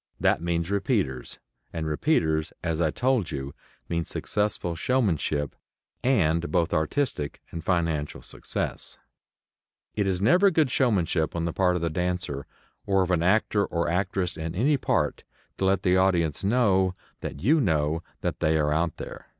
That means "repeaters," and repeaters, as I told you, mean successful showmanship, and both artistic and financial success. It is never good showmanship on the part of the dancer, or of an actor or actress in any part, to let the audience know that you know they are out there.